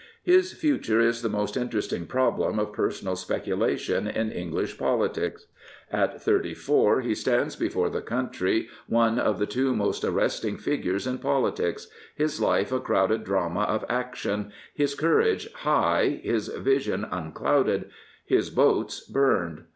His future is the most interesting problem of personal speculation in English politics. At thirty 233 Prophets, Priests, and Kings four he stands before the country one of the two most arresting figures in politics, his life a crowded drama of action, his courage high, his vision un clouded, his boats burned.